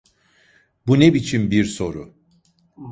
Bu ne biçim bir soru?